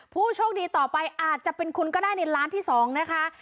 ผู้โชคดีต่อไปอาจจะเป็นคุณก็ได้ในล้านที่๒นะคะ